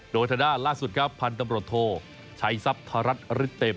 โดยทดรล่าสุดภัณฑ์ตำรวจโทใช้ซัพรัฐฤตเต็ม